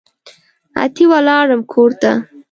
اتي ولاړم کورته